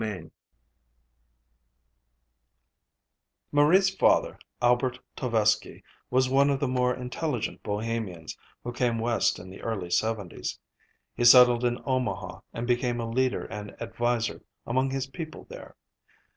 VII Marie's father, Albert Tovesky, was one of the more intelligent Bohemians who came West in the early seventies. He settled in Omaha and became a leader and adviser among his people there.